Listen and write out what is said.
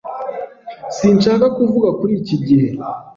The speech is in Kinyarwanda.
Sinshaka kuvuga kuri iki gihe.